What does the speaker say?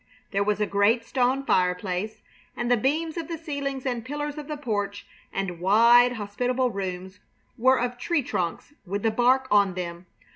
There was a great stone fireplace, and the beams of the ceilings and pillars of the porch and wide, hospitable rooms were of tree trunks with the bark on them.